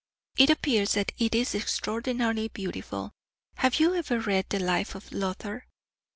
It appears that it is extraordinarily beautiful. Have you ever read the life of Luther?